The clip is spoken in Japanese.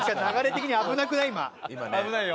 危ないよ。